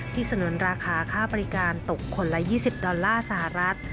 สนุนราคาค่าบริการตกคนละ๒๐ดอลลาร์สหรัฐ